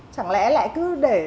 chẳng lẽ lại cứ để